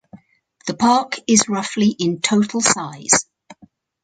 The park is roughly in total size.